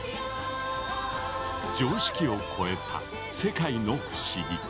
常識をこえた世界の不思議。